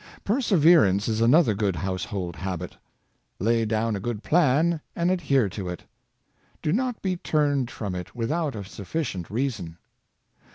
Perseverance is another good household habit. Lay down a good plan, and adhere to it. Do not be turned from it without a sufficient reason.